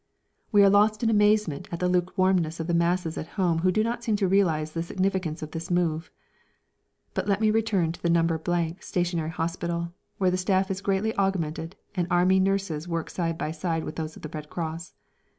We are lost in amazement at the lukewarmness of the masses at home who do not seem to realise the significance of this move. But let me return to No. Stationary Hospital, where the staff is greatly augmented and Army nurses work side by side with those of the Red Cross.